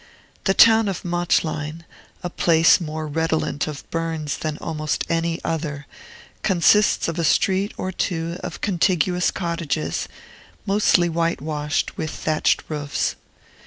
The town of Mauchline, a place more redolent of Burns than almost any other, consists of a street or two of contiguous cottages, mostly whitewashed, and with thatched roofs.